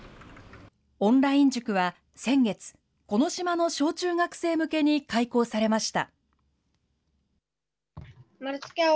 オンライン塾は先月、この島の小中学生向けに開講されました。